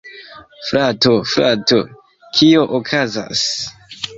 Frato, frato! Kio okazas?